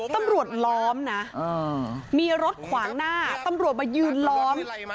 ล้อมนะมีรถขวางหน้าตำรวจมายืนล้อม